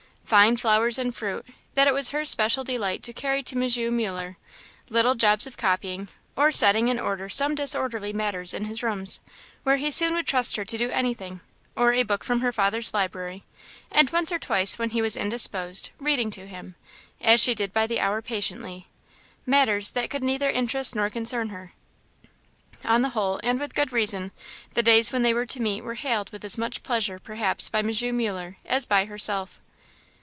Fine flowers and fruit, that it was her special delight to carry to M. Muller; little jobs of copying, or setting in order some disorderly matters in his rooms, where he soon would trust her to do anything; or a book from her father's library; and once or twice when he was indisposed, reading to him, as she did by the hour patiently, matters that could neither interest nor concern her. On the whole, and with good reason, the days when they were to meet were hailed with as much pleasure, perhaps, by M. Muller as by Ellen herself.